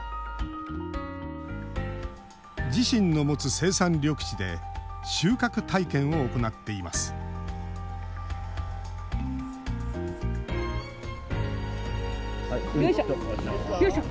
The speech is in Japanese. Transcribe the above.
自身の持つ生産緑地で収穫体験を行っていますよいしょ！